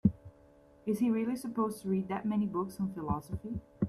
Is he really supposed to read that many books on philosophy?